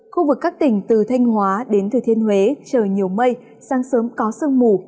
khu vực các tỉnh từ thanh hóa đến thừa thiên huế trời nhiều mây sáng sớm có sương mù